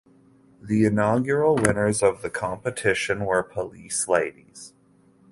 The inaugural winners of the competition were Police Ladies.